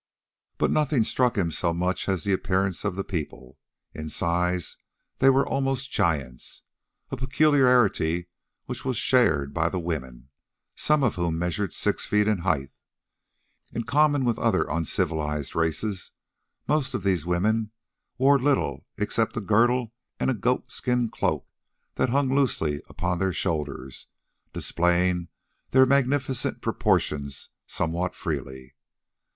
But nothing struck him so much as the appearance of the people. In size they were almost giants, a peculiarity which was shared by the women, some of whom measured six feet in height. In common with other uncivilised races most of these women were little except a girdle and a goat skin cloak that hung loosely upon their shoulders, displaying their magnificent proportions somewhat freely.